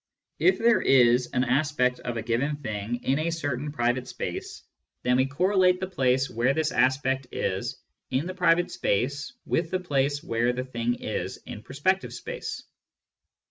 If there is an aspect of a given thing in a certain private space, then we correlate the place where this aspect is in the private space with the place where the thing is in perspective space.